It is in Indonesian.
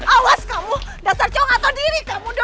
awas kamu dasar cowok gak tau diri kamu ndo